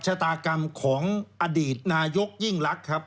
ชะตากรรมของอดีตนายกยิ่งรักครับ